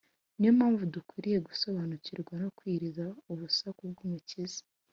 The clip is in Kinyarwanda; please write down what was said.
, ni yo mpamvu dukwiriye gusobanukirwa no kwiyiriza ubusa kw’Umukiza